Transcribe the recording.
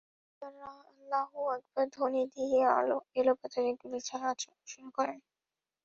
ঢুকেই তাঁরা আল্লাহু আকবার ধ্বনি দিয়ে এলোপাতাড়ি গুলি ছোড়া শুরু করে।